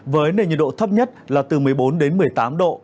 với nền nhiệt độ thấp nhất là từ một mươi bốn đến một mươi tám độ